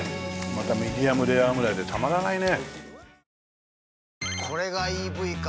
またミディアムレアぐらいでたまらないね。